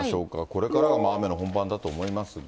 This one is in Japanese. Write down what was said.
これからが雨の本番だと思います